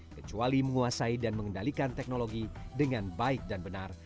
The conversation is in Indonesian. kecuali menguasai dan mengendalikan teknologi dengan baik dan benar